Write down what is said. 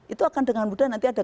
itu akan dengan mudah nanti ada